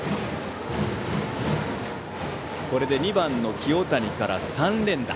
これで２番の清谷から３連打。